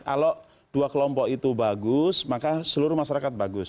kalau dua kelompok itu bagus maka seluruh masyarakat bagus